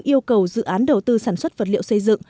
yêu cầu dự án đầu tư sản xuất vật liệu xây dựng